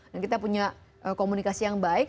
dan kita punya komunikasi yang baik